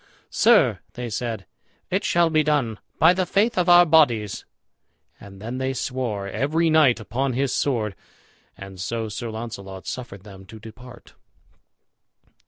"Sir," they said, "it shall be done, by the faith of our bodies;" and then they swore, every knight upon his sword. And so Sir Launcelot suffered them to depart.